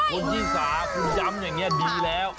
ลุ้นยี่สาผมจำอย่างนี้ดีแล้ว